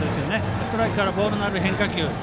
ストライクからボールになる変化球。